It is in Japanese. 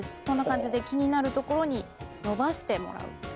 こんな感じで気になるところに伸ばしてもらう。